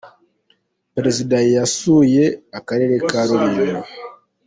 perezida yasuye akarere ka rulindo.